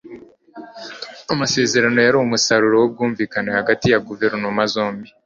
amasezerano yari umusaruro w'ubwumvikane hagati ya guverinoma zombi